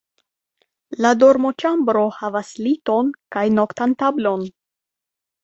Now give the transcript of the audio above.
La dormoĉambro havas liton kaj noktan tablon.